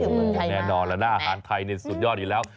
แน่นอนแล้วน่าอาหารไทยเน็ตสุดยอดอยู่แล้ว